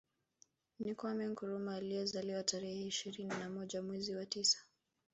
Ni Kwame Nkrumah aliyezaliwa tarehe ishirini na moja mwezi wa tisa